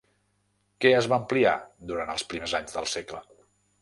Què es va ampliar durant els primers anys del segle?